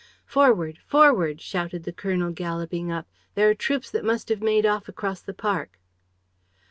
"Forward! Forward!" shouted the colonel, galloping up. "There are troops that must have made off across the park."